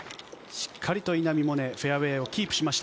しっかりと稲見萌寧、フェアウエーをキープしました。